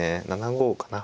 ７五かな。